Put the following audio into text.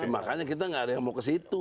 makanya kita nggak ada yang mau ke situ